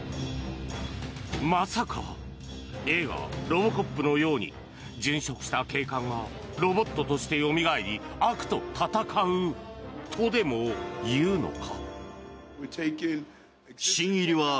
まさか映画「ロボコップ」のように殉職した警官がロボットとしてよみがえり悪と戦うとでも言うのか？